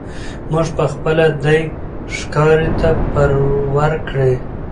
موږ پخپله دی ښکاري ته پر ورکړی